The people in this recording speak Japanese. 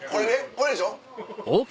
これでしょ？